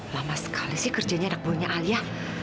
lama sekali sih kerjanya anak buahnya alia